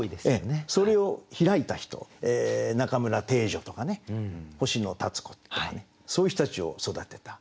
それを開いた人中村汀女とかね星野立子とかねそういう人たちを育てた。